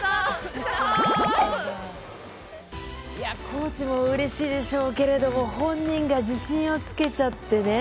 コーチもうれしいでしょうけれども本人が自信をつけちゃってね。